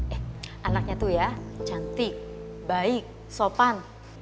eh anaknya tuh ya cantik baik sopan